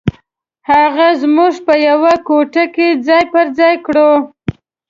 هغه موږ په یوه کوټه کې ځای پر ځای کړو.